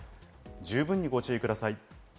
十分にご注意ください。